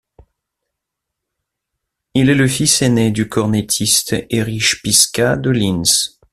Il est le fils aîné du cornettiste Erich Pizka de Linz.